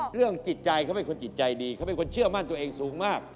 เรื่องจิตใจเขาเป็นคนจิตใจดีเขาเป็นคนเชื่อมั่นตัวเองสูงมาก